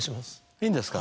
いいんですか？